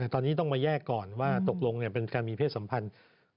ตอนนี้ต้องมาแยกก่อนว่าตกลงเป็นการมีเพศสัมพันธ์